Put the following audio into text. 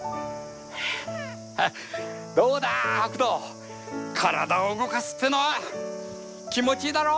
どうだ北斗体を動かすってのは気持ちいいだろ。